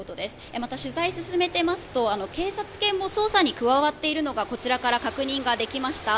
また、取材を進めていますと警察犬も捜査に加わっているのがこちらから確認ができました。